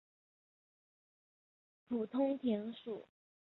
普通田鼠为仓鼠科田鼠属的动物。